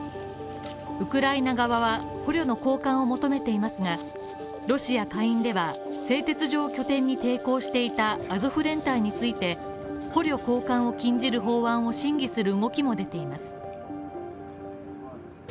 ウクライナ側は捕虜の交換を求めていますが、ロシア下院では、製鉄所を拠点に抵抗していたアゾフ連隊について、捕虜交換を禁じる法案を審議する動きも出ています。